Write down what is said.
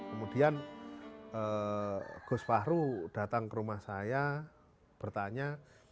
kemudian gus fahru datang ke rumah saya bertanya